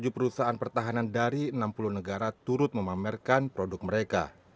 delapan ratus enam puluh tujuh perusahaan pertahanan dari enam puluh negara turut memamerkan produk mereka